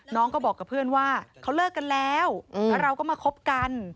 น้องก็บอกกับเพื่อนว่าเขาเลิกกันแล้วแล้วเราก็มาคบกัน